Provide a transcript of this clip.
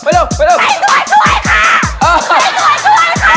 เลย